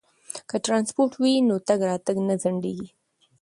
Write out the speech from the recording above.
که ترانسپورت وي نو تګ راتګ نه ځنډیږي.